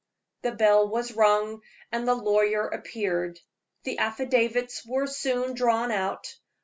The bell was rung, and the lawyer appeared. The affidavits were soon drawn out.